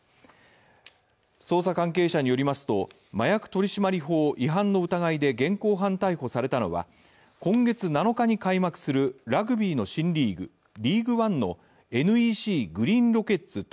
捜査関係者によりますと麻薬取締法違反の疑いで現行犯逮捕されたのは今月７日に開幕するラグビーの新リーグ、ＬＥＡＧＵＥＯＮＥのＮＥＣグリーンロケッツ